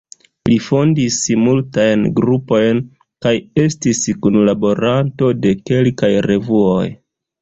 Li fondis multajn grupojn kaj estis kunlaboranto de kelkaj revuoj.